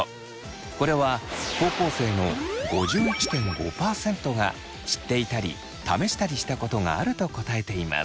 これは高校生の５１．５％が知っていたり試したりしたことがあると答えています。